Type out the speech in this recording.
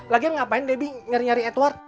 lagian ngapain debbie nyari nyari edward